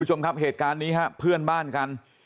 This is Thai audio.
คุณผู้ชมครับเหตุการณ์นี้ฮะเพื่อนบ้านกัน